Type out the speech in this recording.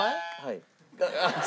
はい。